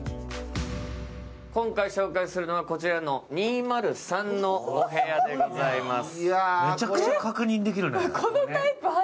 今回紹介するのはこちらの２０３のお部屋でございます。